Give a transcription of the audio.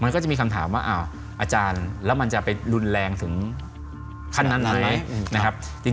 มันก็จะมีคำถามว่ามันจะรุนแรงถึงคันนั้นไหม